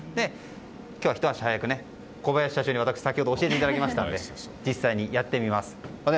今日は、ひと足先に小林車掌に、先ほど私教えていただいたので実際にやってみます。